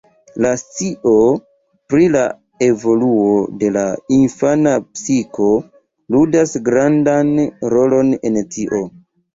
La scio pri la evoluo de la infana psiko ludas grandan rolon en tio.